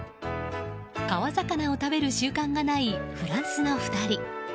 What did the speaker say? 川魚を食べる習慣がないフランスの２人。